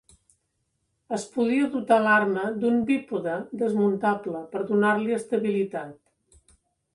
Es podia dotar l'arma d'un bípode desmuntable per donar-li estabilitat.